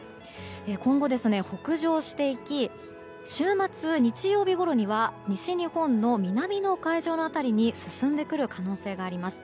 今後、北上していき週末、日曜日ごろには西日本の南の海上の辺りに進んでくる可能性があります。